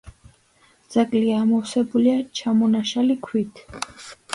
ძეგლი ამოვსებულია ჩამონაშალი ქვით.